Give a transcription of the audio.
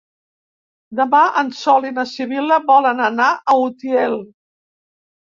Demà en Sol i na Sibil·la volen anar a Utiel.